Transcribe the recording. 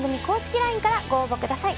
ＬＩＮＥからご応募ください。